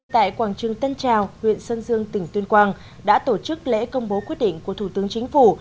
tại quảng trưng tân trao huyện sân dương tỉnh tuyên quang đã tổ chức lễ công bố quyết định của thủ tướng chính phủ